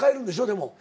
でも。